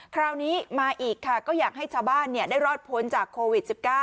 คราวนี้มาอีกค่ะก็อยากให้ชาวบ้านได้รอดพ้นจากโควิด๑๙